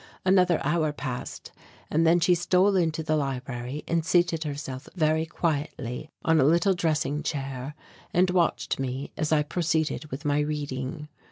Another hour passed and then she stole into the library and seated herself very quietly on a little dressing chair and watched me as I proceeded with my reading.